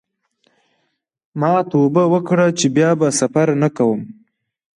ما توبه وکړه چې بیا به سفر نه کوم.